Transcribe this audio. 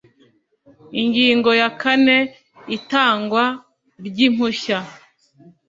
Ingingo ya kane Itangwa ry’impushya